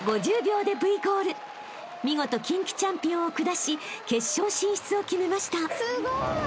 ［見事近畿チャンピオンを下し決勝進出を決めました］